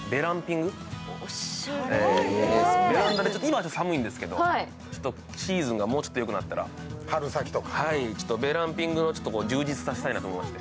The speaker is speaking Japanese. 今は寒いんですけど、シーズンがもうちょっとよくなったらベランピングを充実させたいなと思いまして。